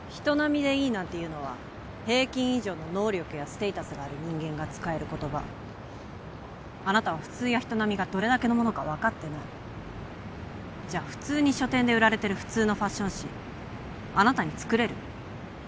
人並みでいいなんていうのは平均以上の能力やステータスがある人間が使える言葉あなたは普通や人並みがどれだけのものか分かってないじゃあ普通に書店で売られてる普通のファッション誌あなたに作れる？